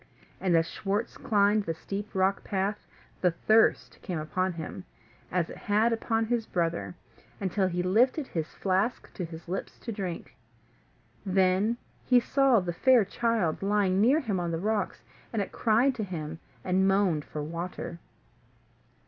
And as Schwartz climbed the steep rock path, the thirst came upon him, as it had upon his brother, until he lifted his flask to his lips to drink. Then he saw the fair child lying near him on the rocks, and it cried to him, and moaned for water.